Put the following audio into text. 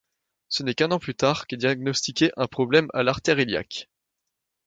Ce n'est qu'un an plus tard qu'est diagnostiqué un problème à l'artère iliaque.